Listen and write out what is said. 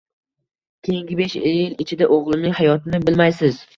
Keying besh yil ichida oʻgʻlimning hayotini bilmaysiz